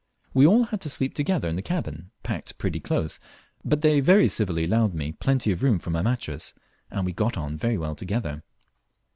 We had to sleep all together in the cabin, packed pretty close; but they very civilly allowed me plenty of room for my mattrass, and we got on very well together.